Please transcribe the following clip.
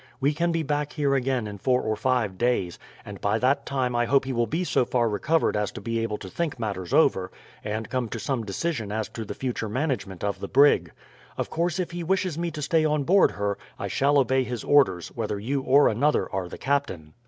We can be back here again in four or five days, and by that time I hope he will be so far recovered as to be able to think matters over, and come to some decision as to the future management of the brig. Of course if he wishes me to stay on board her I shall obey his orders, whether you or another are the captain."